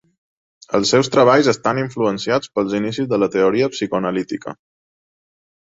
Els seus treballs estan influenciats pels inicis de la teoria psicoanalítica.